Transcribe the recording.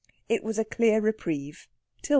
It was a clear reprieve, till 3.